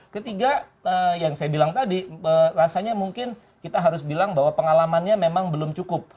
ketiga yang saya bilang tadi rasanya mungkin kita harus bilang bahwa pengalamannya memang belum cukup